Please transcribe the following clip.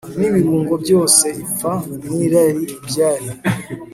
nibirungo byose ipfa nirari byari